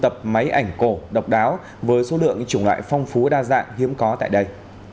trầm hương cũng chính là chủ nhân của bộ sưu tập máy ảnh cổ độc đáo với số lượng chủng loại phong phú đa dạng hiếm có tại đây